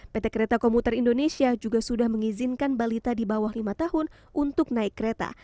pt kereta komuter indonesia juga sudah mengizinkan balita di bawah lima tahun untuk naik kereta